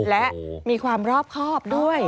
และมีความรอบครอบด้วย